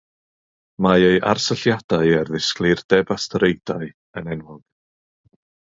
Mae ei arsylliadau ar ddisgleirdeb asteroidau yn enwog.